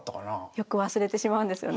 よく忘れてしまうんですよね。